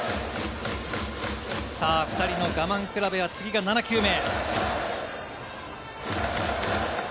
２人の我慢比べは次が７球目。